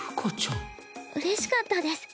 うれしかったです。